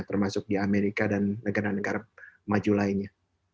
termasuk di amerika dan negara negara maju lainnya